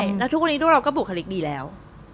แล้วทุกวันนี้ด้วยเราก็บุคลิกดีแล้ว